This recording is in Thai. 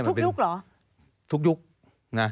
ยุคเหรอทุกยุคนะ